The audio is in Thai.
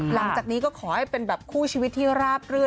หลังจากนี้ก็ขอให้เป็นแบบคู่ชีวิตที่ราบรื่น